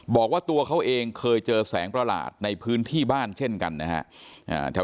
บอกว่าตัวเขาเองเคยเจอแสงประหลาดในพื้นที่บ้านเช่นกันนะฮะ